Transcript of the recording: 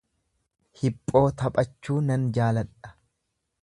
Hiphoo taphachuu nan jaaladha.